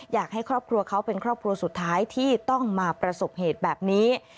อยากให้ครอบครัวเขาเป็นครอบครัวสุดท้ายที่ต้องมาประสบเหตุแบบนี้